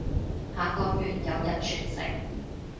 下個月有日全食